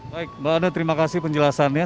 baik terima kasih penjelasannya